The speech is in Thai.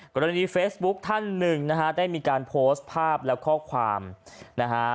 กรณีเฟซบุ๊คท่านหนึ่งนะฮะได้มีการโพสต์ภาพและข้อความนะฮะ